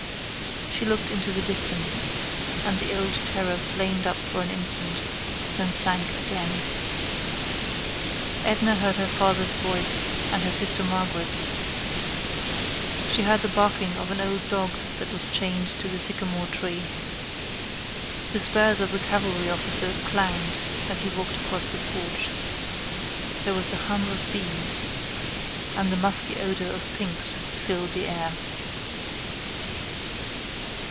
She looked into the distance, and the old terror flamed up for an instant, then sank again. Edna heard her father's voice and her sister Margaret's. She heard the barking of an old dog that was chained to the sycamore tree. The spurs of the cavalry officer clanged as he walked across the porch. There was the hum of bees, and the musky odor of pinks filled the air.